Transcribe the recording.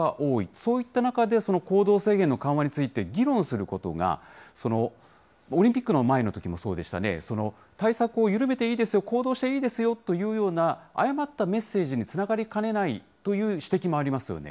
そういった中で、行動制限の緩和について、議論することが、オリンピックの前のときもそうでしたね、対策を緩めていいですよ、行動していいですよというような誤ったメッセージにつながりかねないという指摘もありますよね。